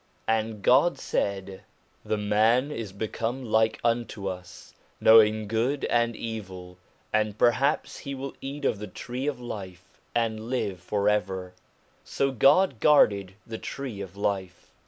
And God said : The man 139 140 SOME ANSWERED QUESTIONS is become like unto us, knowing good and evil, and perhaps he will eat of the tree of life and live for ever. So God guarded the tree of life.